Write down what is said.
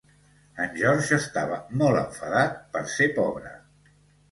En George estava molt enfadat per ser pobre.